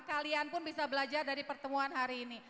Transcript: kalian pun bisa belajar dari pertemuan hari ini